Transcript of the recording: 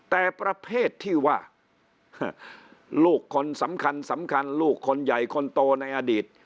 แต่ประเภทที่ว่าลูกคนสำคัญสำคัญลูกคนใหญ่คนโตในอดีต